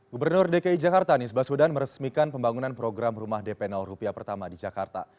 gubernur dki jakarta anies baswedan meresmikan pembangunan program rumah dp rupiah pertama di jakarta